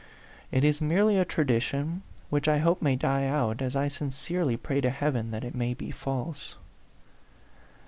It is merely a tradi tion, which I hope may die out, as I sincere, ly pray to Heaven that it may be false."